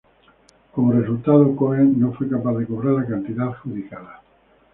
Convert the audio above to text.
Como resultado, Cohen no fue capaz de cobrar la cantidad adjudicada.